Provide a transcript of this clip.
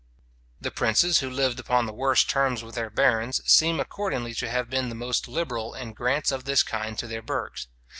The princes who lived upon the worst terms with their barons, seem accordingly to have been the most liberal in grants of this kind to their burghs.